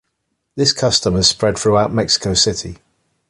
This custom has spread throughout Mexico City.